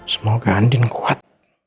semoga andin kuat